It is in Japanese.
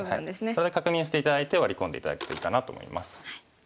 それ確認して頂いてワリ込んで頂くといいかなと思います。